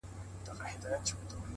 د هر تورى لړم سو - شپه خوره سوه خدايه-